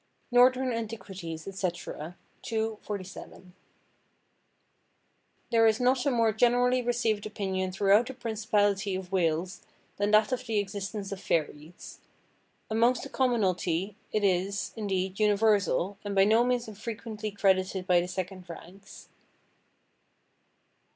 —(Northern Antiquities, etc., ii. 47.) There is not a more generally received opinion throughout the principality of Wales than that of the existence of fairies. Amongst the commonalty it is, indeed, universal, and by no means unfrequently credited by the second ranks.